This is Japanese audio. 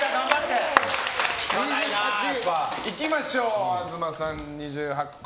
いきましょう、東さん２８個。